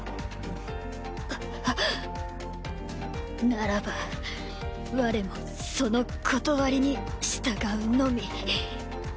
ならば我もその理に従うのみ。